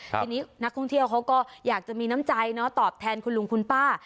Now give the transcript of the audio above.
ทีนี้นักท่องเที่ยวเขาก็อยากจะมีน้ำใจตอบแทนคุณลุงคุณป้า